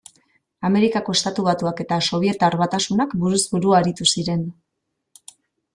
Amerikako Estatu Batuak eta Sobietar Batasunak buruz buru aritu ziren.